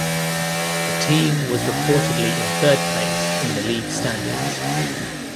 The team was reportedly in third place in the league standings.